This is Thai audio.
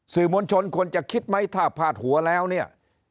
สื่อมวลชนควรจะคิดไหมถ้าพาดหัวแล้วเนี่ย